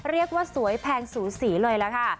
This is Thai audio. เรียกว่าสวยแพงสูสีเลยล่ะค่ะ